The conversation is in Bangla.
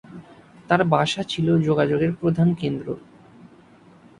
তার বাসা ছিল যোগাযোগের প্রধান কেন্দ্র।